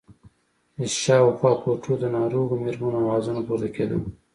له شاوخوا کوټو د ناروغو مېرمنو آوازونه پورته کېدل.